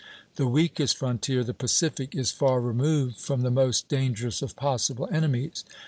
The weakest frontier, the Pacific, is far removed from the most dangerous of possible enemies.